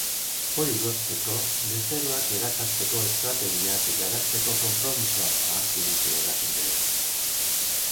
Hori lortzeko, bezeroak erakartzeko estrategiak garatzeko konpromisoa hartu dute erakundeek.